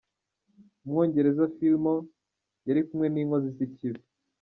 "Umwongereza Phil Moore, yari kumwe n'inkozi z'ikibi.